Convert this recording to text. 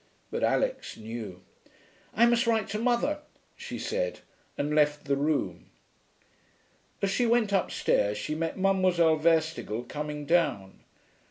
But Alix knew. 'I must write to mother,' she said, and left the room. As she went upstairs she met Mademoiselle Verstigel coming down.